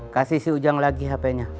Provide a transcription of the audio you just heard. kasih si ujang lagi hp nya